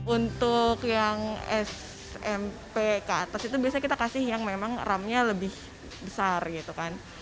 untuk yang smp ke atas itu biasanya kita kasih yang memang ramnya lebih besar gitu kan